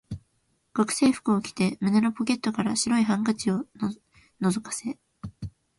学生服を着て、胸のポケットから白いハンケチを覗かせ、